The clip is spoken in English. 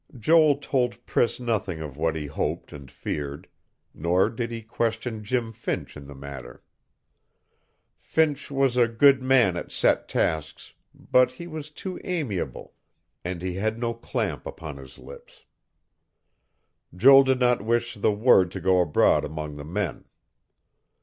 Joel told Priss nothing of what he hoped and feared; nor did he question Jim Finch in the matter. Finch was a good man at set tasks, but he was too amiable, and he had no clamp upon his lips.... Joel did not wish the word to go abroad among the men.